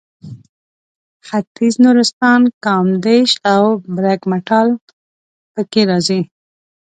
ختیځ نورستان کامدېش او برګمټال پکې راځي.